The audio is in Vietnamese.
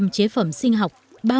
ba mươi chế phẩm sinh học